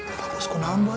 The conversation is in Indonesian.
aku tak mau